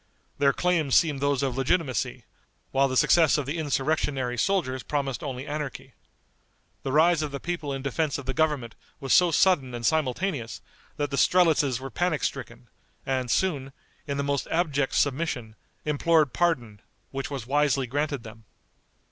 Their claims seemed those of legitimacy, while the success of the insurrectionary soldiers promised only anarchy. The rise of the people in defense of the government was so sudden and simultaneous, that the strelitzes were panic stricken, and soon, in the most abject submission, implored pardon, which was wisely granted them.